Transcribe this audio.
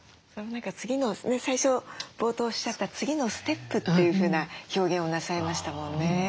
最初冒頭おっしゃった次のステップというふうな表現をなさいましたもんね。